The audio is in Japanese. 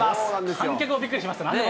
観客もびっくりしました。